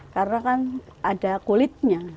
karena kan ada kulitnya